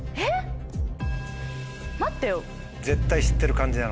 待ってよ。